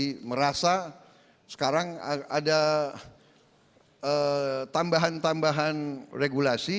dan saya rasa sekarang ada tambahan tambahan regulasi